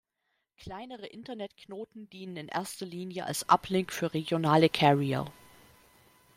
Kleinere Internet-Knoten dienen in erster Linie als Uplink für regionale Carrier.